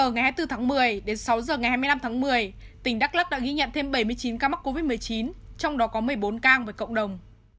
ngay từ tháng một mươi đến sáu giờ ngày hai mươi năm tháng một mươi tỉnh đắk lắk đã ghi nhận thêm bảy mươi chín ca mắc covid một mươi chín trong đó có một mươi bốn ca với cộng đồng